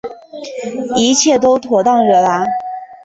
一切都妥当惹拉